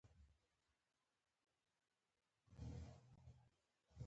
سپی ګوته باسي.